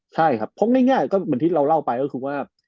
ใช่ครับเพราะง่ายก็เหมือนที่เราเล่าไปก็คือว่า